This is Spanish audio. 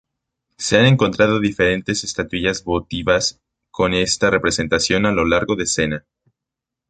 Se han encontrado diferentes estatuillas votivas con esta representación a lo largo del Sena.